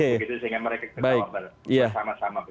sehingga mereka juga sama sama